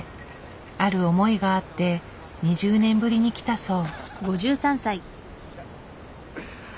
ある思いがあって２０年ぶりに来たそう。